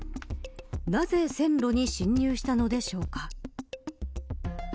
なぜ線路に侵入したのでしょうか。